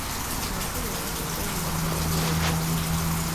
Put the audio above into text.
Abasibe abasatu baavunaaniddwa ogw'obutemu.